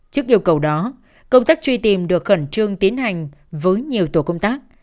trước yêu cầu đó công tác truy tìm được khẩn trương tiến hành với nhiều tổ công tác